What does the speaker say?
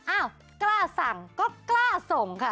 อ้าวกล้าสั่งก็กล้าส่งค่ะ